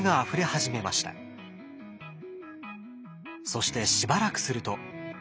そしてしばらくすると。